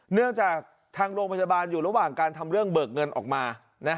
เนื่องจากทางโรงพยาบาลอยู่ระหว่างการทำเรื่องเบิกเงินออกมา